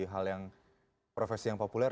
hal yang profesi yang populer